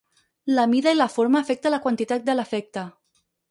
La mida i la forma afecta la quantitat de l'efecte.